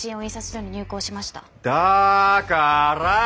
だから！